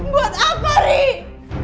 buat aku rik